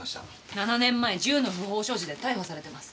７年前銃の不法所持で逮捕されてますね。